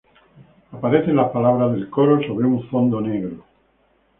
Aparecen las palabras del coro sobre un fondo negro.